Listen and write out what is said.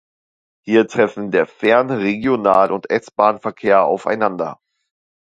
Hier treffen der Fern-, Regional- und S-Bahnverkehr aufeinander.